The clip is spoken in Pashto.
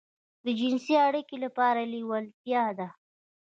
د جنسي اړيکې لپاره لېوالتيا ده.